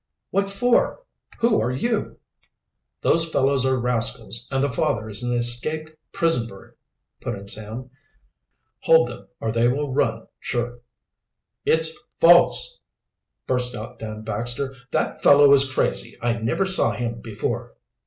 "What for? Who are you?" "Those fellows are rascals, and the father is an escaped prison bird," put in Sam. "Hold them or they will run, sure." "It's false," burst out Dan Baxter. "That fellow is crazy. I never saw him before."